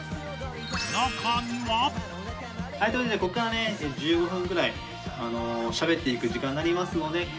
中には。というわけでここからね１５分くらいしゃべっていく時間になりますので。